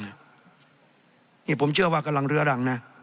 นี่ผมเชื่อว่ากำลังเรื้อรังนะ